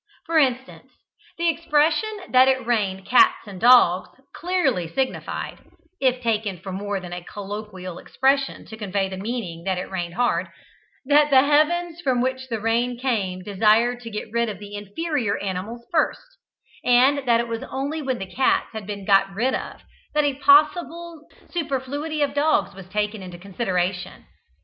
For instance, the expression that "it rained cats and dogs" clearly signified (if taken for more than a colloquial expression to convey the meaning that it rained hard) that the heavens from which the rain came desired to get rid of the inferior animals first, and that it was only when the cats had been got rid of that a possible superfluity of dogs was taken into consideration.